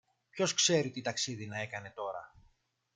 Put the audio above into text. Ποιος ξέρει τι ταξίδι να έκανε τώρα